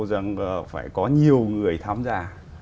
rằng phải có nhiều người tham gia